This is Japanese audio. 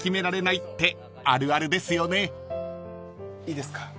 いいですか？